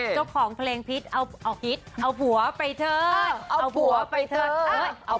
เจ้าของเพลงพิษเอาหัวไปเถอะ